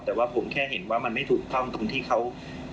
แต่ว่าผมแค่เห็นว่ามันไม่ถูกต้องตรงที่เขา